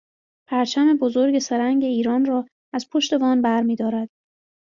پرچم بزرگ سه رنگ ایران را از پشت وان بر میدارد